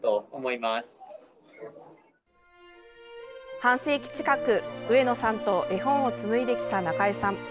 半世紀近く上野さんと絵本を紡いできた、なかえさん。